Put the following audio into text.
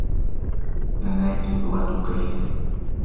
nanaykita watukuy.